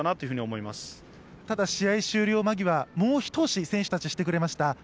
◆ただ試合終了間際、もう一押し、選手たちはしてくれました。